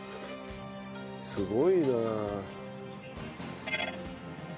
すごいな。